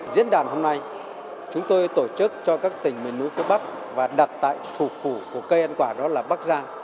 diễn đàn hôm nay chúng tôi tổ chức cho các tỉnh miền núi phía bắc và đặt tại thủ phủ của cây ăn quả đó là bắc giang